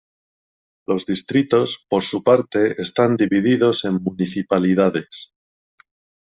Los distritos, por su parte, están divididos en municipalidades.